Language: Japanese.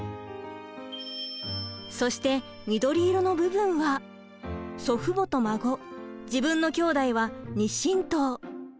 そして緑色の部分は祖父母と孫自分のきょうだいは「２親等」。